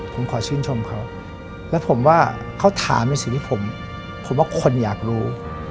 ผมขอชื่นชมเขาและผมว่าเขาถามในสิ่งที่ผมว่าคนอยากรู้